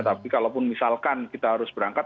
tapi kalaupun misalkan kita harus berangkat